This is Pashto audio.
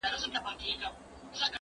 انځورونه رسم کړه؟!